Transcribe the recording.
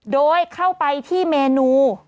โดยเข้าไปที่เมนู